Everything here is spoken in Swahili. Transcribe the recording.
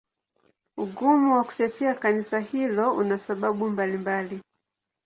Ugumu wa kutetea Kanisa hilo una sababu mbalimbali.